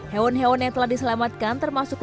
hewan hewan yang telah diselamatkan termasuk